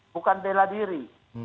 bukan bela diri